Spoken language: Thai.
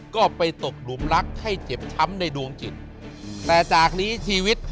ก็ไปตกหลุมรักให้เจ็บช้ำในดวงจิต